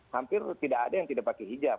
hampir tidak ada yang tidak pakai hijab